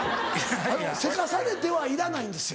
「せかされて」はいらないんですよ。